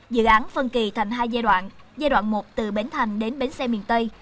dự án phân kỳ thành hai giai đoạn giai đoạn một từ bến thành đến bến xe miền tây